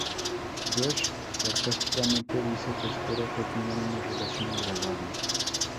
Josh sarcásticamente dice que espera que tengan una relación agradable.